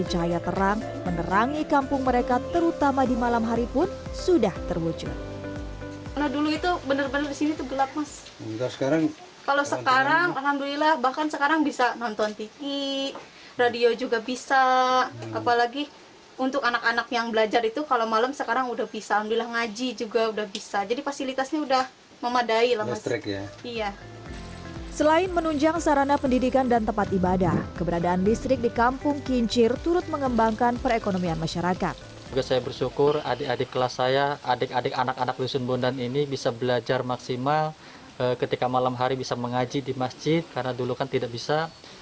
saya bersyukur adik adik kelas saya adik adik anak anak lusun bondan ini bisa belajar maksimal ketika malam hari bisa mengaji di masjid karena dulu kan tidak bisa